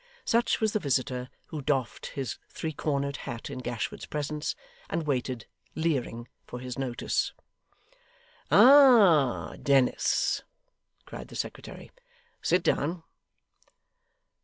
Such was the visitor who doffed his three cornered hat in Gashford's presence, and waited, leering, for his notice. 'Ah! Dennis!' cried the secretary. 'Sit down.